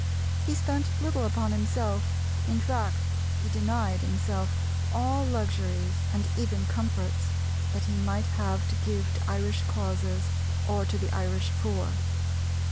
He spent little upon himself, in fact he denied himself all luxuries, and even comforts, that he might have to give to Irish causes or to the Irish poor.